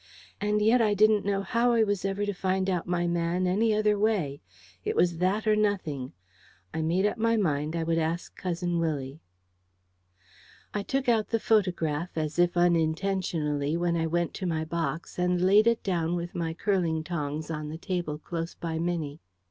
And yet I didn't know how I was ever to find out my man any other way. It was that or nothing. I made up my mind I would ask Cousin Willie. I took out the photograph, as if unintentionally, when I went to my box, and laid it down with my curling tongs on the table close by Minnie.